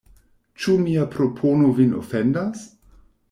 Ĉu mia propono vin ofendas?